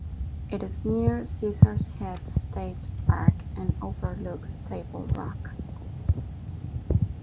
It is near Caesars Head State Park and overlooks Table Rock.